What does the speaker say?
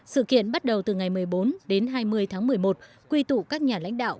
sự kiện bắt đầu từ ngày một mươi bốn đến hai mươi tháng một mươi một quy tụ các nhà lãnh đạo